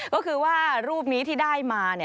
ก็คือว่ารูปนี้ที่ได้มา